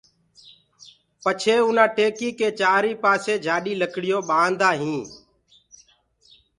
پڇي اُنآ ٽيڪيٚ ڪي چآرئي پآسي دي جآڏي لڪڙيونٚ باندآ هينٚ